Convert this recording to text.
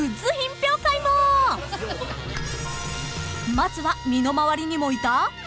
［まずは身の回りにもいた？］